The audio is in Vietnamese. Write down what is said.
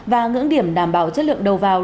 và ngưỡng điểm đảm bảo chất lượng đầu vào